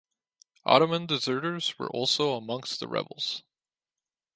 Ottoman deserters were also amongst the rebels.